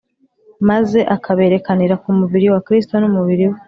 maze akaberekanira mu mubiri wa Kristo n'umurimo We.